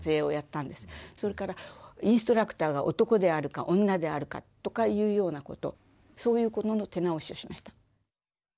それからインストラクターが男であるか女であるかとかいうようなことそういうことの手直しをしました。